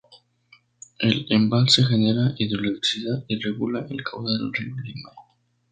El embalse genera hidroelectricidad y regula el caudal del río Limay.